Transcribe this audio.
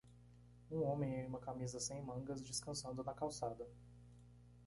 Um homem em uma camisa sem mangas, descansando na calçada.